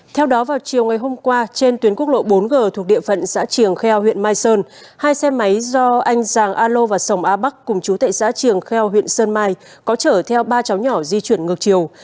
theo đó vào chiều ngày hôm qua trên tuyến quốc lộ bốn g thuộc địa phận xã triềng kheo huyện mai sơn hai xe máy do anh giàng a lô và sông a bắc cùng chú tệ xã triềng kheo huyện sơn mai có chở theo ba cháu nhỏ di chuyển ngược chiều